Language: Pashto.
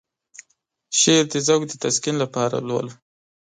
شعر د ذوق د تسکين لپاره لولو.